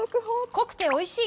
濃くておいしい！